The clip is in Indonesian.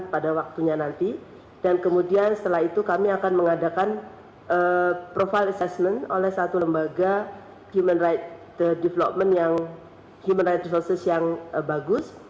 pansal akan mengadakan profil assessment oleh satu lembaga human rights development yang bagus